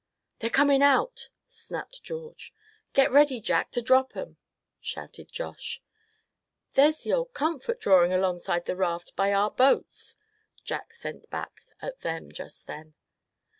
"They're coming out!" snapped George. "Get ready, Jack, to drop 'em!" shouted Josh. "There's the old Comfort drawing alongside the raft by our boats!" Jack sent back at them just then.